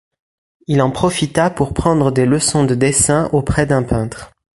Il en profita pour prendre des leçons de dessin auprès d’un peintre.